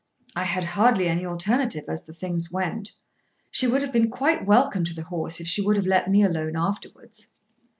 "I had hardly any alternative as the things went. She would have been quite welcome to the horse if she would have let me alone afterwards."